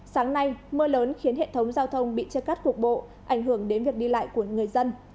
sáng nay mưa lớn khiến hệ thống giao thông bị chết cắt cục bộ ảnh hưởng đến việc đi lại của người dân